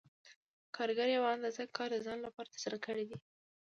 کارګر یوه اندازه کار د ځان لپاره ترسره کړی دی